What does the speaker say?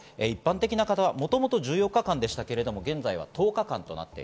一般の方はもともと１４日間でしたけれども、現在は１０日間。